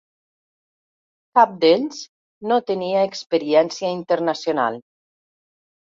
Cap d'ells no tenia experiència internacional.